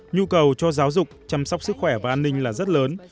nhu cầu cho giáo dục chăm sóc sức khỏe và an ninh là rất lớn